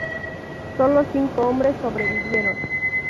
Solo cinco hombres sobrevivieron.